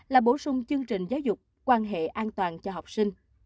là bổ sung chương trình giáo dục quan hệ an toàn cho học sinh